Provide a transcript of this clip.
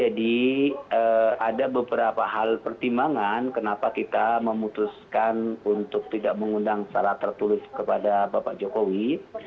jadi ada beberapa hal pertimbangan kenapa kita memutuskan untuk tidak mengundang secara tertulis kepada pak jokowi